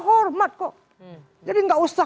hormat kok jadi nggak usah